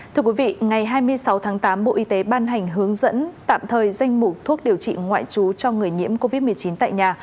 thưa quý vị ngày hai mươi sáu tháng tám bộ y tế ban hành hướng dẫn tạm thời danh mục thuốc điều trị ngoại trú cho người nhiễm covid một mươi chín tại nhà